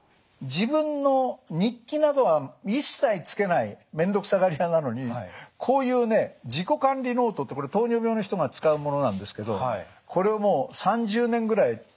自分の日記などは一切つけない面倒くさがり屋なのにこういうね自己管理ノートってこれ糖尿病の人が使うものなんですけどこれをもう３０年ぐらいつけて。